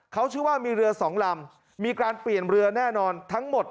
เขาชื่อว่ามีเรือสองลำมีการเปลี่ยนเรือแน่นอนทั้งหมด